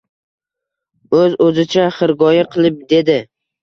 Oʻz-oʻzicha xirgoyi qilib dedi.